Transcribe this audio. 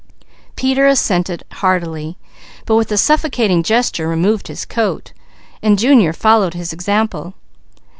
Peter assented heartily, but with a suffocating gesture removed his coat, so Junior followed his example.